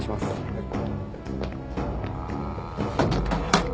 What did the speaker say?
はい。